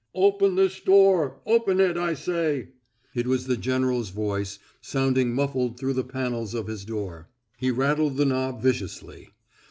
"Open this door! Open it, I say!" It was the general's voice, sounding muffled through the panels of his door; he rattled the knob viciously.